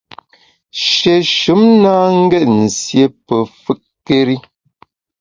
Shéshùm na ngét nsié pe fùtkéri.